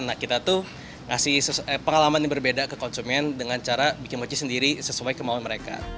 nah kita tuh ngasih pengalaman yang berbeda ke konsumen dengan cara bikin mochi sendiri sesuai kemauan mereka